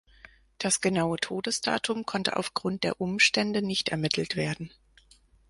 Das genaue Todesdatum konnte auf Grund der Umstände nicht ermittelt werden.